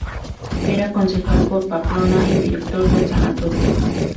Era concejal por Pamplona y director del sanatorio.